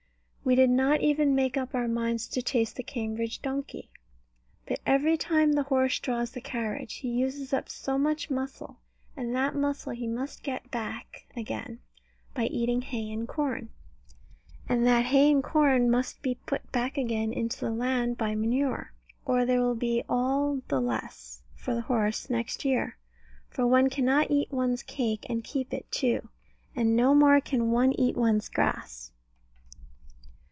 We did not even make up our minds to taste the Cambridge donkey. But every time the horse draws the carriage, he uses up so much muscle; and that muscle he must get back again by eating hay and corn; and that hay and corn must be put back again into the land by manure, or there will be all the less for the horse next year. For one cannot eat one's cake and keep it too; and no more can one eat one's grass.